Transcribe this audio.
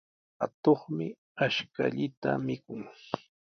Atuqmi ashkallata mikun.